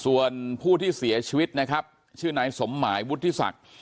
ส่วนผู้ที่เสียชีวิตนะครับชื่อนายสมหมายวุฒิศักดิ์